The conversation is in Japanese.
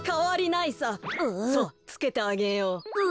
さあつけてあげよう。